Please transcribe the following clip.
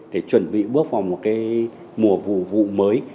để chuẩn bị bước vào một cái mùa vụ vụ mới